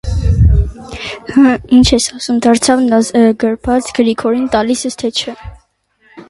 Հը՜, ի՞նչ ես ասում, - դարձավ նա գրբաց Գրիգորին, - տալիս ե՞ս, թե չէ: